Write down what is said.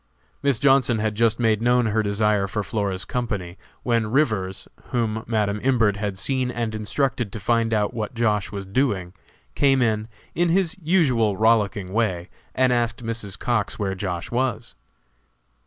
Miss Johnson had just made known her desire for Flora's company, when Rivers (whom Madam Imbert had seen and instructed to find out what Josh. was doing,) came in, in his usual rollicking way, and asked Mrs. Cox where Josh. was.